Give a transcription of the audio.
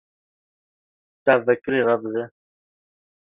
Çav vekirî radizê.